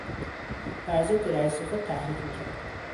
بر ضد رئیس خود تحریک میکرد.